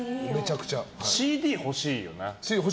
ＣＤ、欲しいよな。